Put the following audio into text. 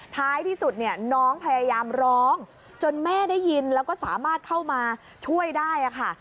ท้ายที่สุดเนี่ยน้องพยายามร้องจนแม่ได้ยินแล้วก็สามารถเข้ามาช่วยได้ค่ะ